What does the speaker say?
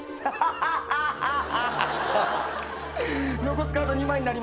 残すカードは２枚になりました。